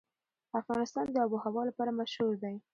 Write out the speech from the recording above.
افغانستان د آب وهوا لپاره مشهور دی.